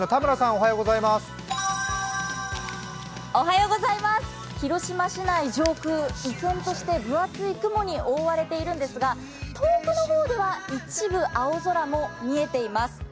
おはようございます広島市内上空、依然として分厚い雲に覆われているんですが遠くの方では一部青空も見えています。